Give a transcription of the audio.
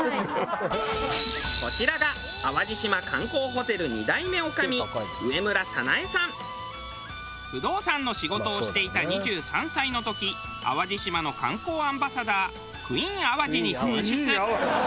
こちらが不動産の仕事をしていた２３歳の時淡路島の観光アンバサダークイーン淡路に選出。